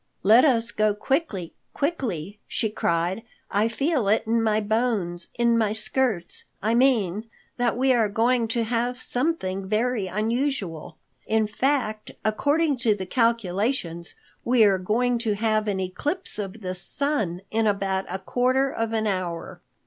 "Let us go quickly, quickly!" she cried. "I feel it in my bones, in my skirts, I mean, that we are going to have something very unusual. In fact, according to the calculations, we are going to have an eclipse of the sun in about a quarter of an hour."